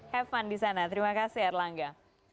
hev fun di sana terima kasih erlangga